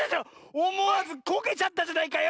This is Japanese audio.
おもわずこけちゃったじゃないかよ！